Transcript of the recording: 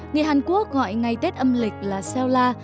người hàn quốc gọi ngày tết âm lịch là xeola